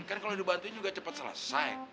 kan kalau dibantuin juga cepat selesai